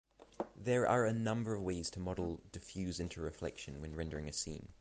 There are a number of ways to model diffuse interreflection when rendering a scene.